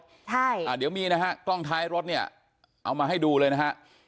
ใช่อ่าเดี๋ยวมีนะฮะกล้องท้ายรถเนี่ยเอามาให้ดูเลยนะฮะ